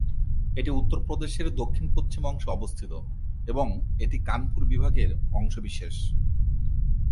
এটি উত্তরপ্রদেশের দক্ষিণ-পশ্চিম অংশে অবস্থিত এবং এটি কানপুর বিভাগের অংশবিশেষ।